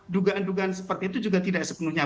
dugaan dugaan seperti itu juga tidak sepenuhnya